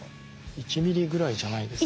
１ｍｍぐらいじゃないですか。